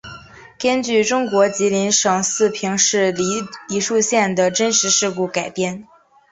根据中国吉林省四平市梨树县的真实故事改编。